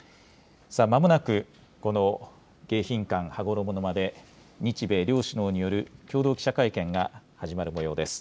まもなく、この迎賓館羽衣の間で、日米両首脳による共同記者会見が始まるもようです。